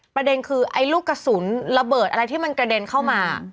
ประเด็นคือไอ้ลูกกระสุนระเบิดอะไรที่มันกระเด็นเข้ามา